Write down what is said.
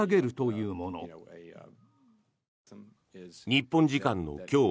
日本時間の今日